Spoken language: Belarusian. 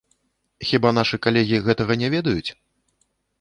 Хіба нашы калегі гэтага не ведаюць?